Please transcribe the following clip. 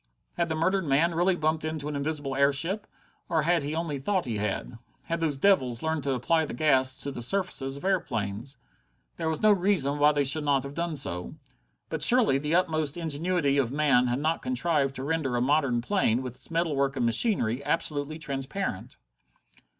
Had the murdered man really bumped into an invisible airship, or had he only thought he had? Had those devils learned to apply the gas to the surfaces of airplanes? There was no reason why they should not have done so. But surely the utmost ingenuity of man had not contrived to render a modern plane, with its metalwork and machinery, absolutely transparent?